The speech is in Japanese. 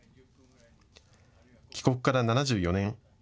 帰国から７４年。